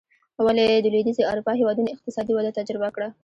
ولې د لوېدیځې اروپا هېوادونو اقتصادي وده تجربه کړه.